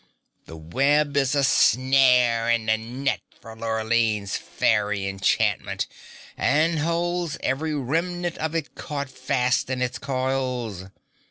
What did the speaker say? The web is a snare and a net for Lurline's fairy enchantment and holds every remnant of it caught fast in its coils."